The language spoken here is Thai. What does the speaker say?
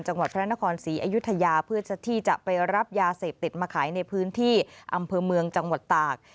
จังหวัดพระนครศรีอยุธยาเพื่อที่จะไปรับยาเสพติดมาขายในพื้นที่อำเภอเมืองจังหวัดตาก